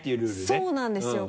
そうなんですよ